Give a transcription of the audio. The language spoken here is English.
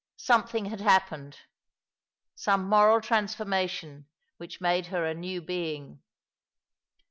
Something had hap pened — some moral transformation which made her a new being.